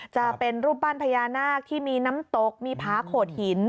จะเป็นรูปปั้นพญานาคที่มีน้ำตกมีผาโขดหิน